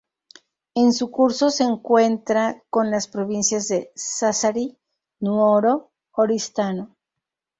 En su curso se encuentra con las provincias de Sassari, Nuoro y Oristano.